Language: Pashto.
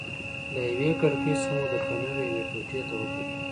له یوې کړکۍ څخه مو د پنیرو یوې ټوټې ته وکتل.